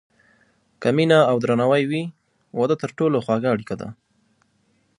که مینه او درناوی وي، واده تر ټولو خوږه اړیکه ده.